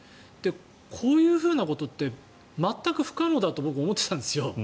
こういうことって全く不可能だと僕、思っていたんですよ。